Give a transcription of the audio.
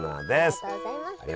ありがとうございます。